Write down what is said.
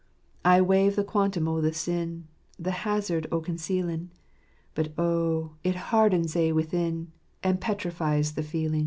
I waive the quantum o' the sin. The hazard o ' concealin 1 ; But oh, it hardens a' within, And petrifies the feelin'."